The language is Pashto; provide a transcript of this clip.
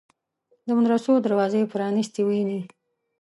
د مدرسو دروازې پرانیستې ویني.